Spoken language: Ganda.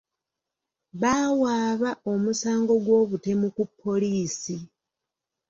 Baawaaba omusango gw'obutemu ku poliisi.